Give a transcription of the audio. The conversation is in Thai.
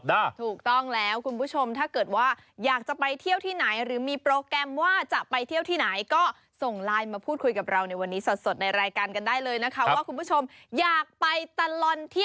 ว่าคุณผู้ชมอยากไปตลอดเที่ยวที่ไหนกันดี